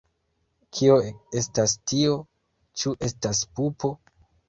Kio estas tio? Ĉu estas pupo?